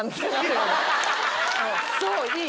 そういい！